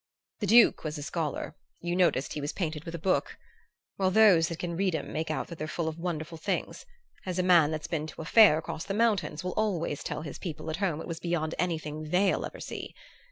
The Duke was a scholar; you noticed he was painted with a book? Well, those that can read 'em make out that they're full of wonderful things; as a man that's been to a fair across the mountains will always tell his people at home it was beyond anything they'll ever see.